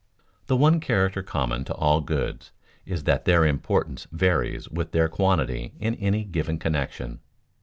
_ The one character common to all goods is that their importance varies with their quantity in any given connection.